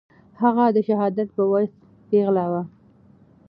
هغه د شهادت په وخت پېغله وه.